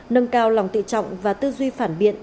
nâng cao lòng tự trọng và tư duy phản biện